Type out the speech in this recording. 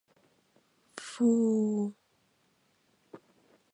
В у —